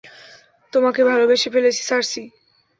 তোমাকে ভালোবেসে ফেলেছি, সার্সি।